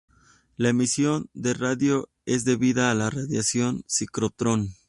La emisión de radio es debida a la radiación sincrotrón.